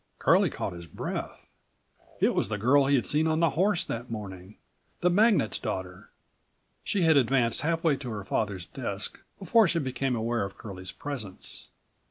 Curlie caught his breath. It was the girl he had seen on the horse that morning, the magnate's daughter. She had advanced halfway to her father's desk before she became aware of Curlie's presence.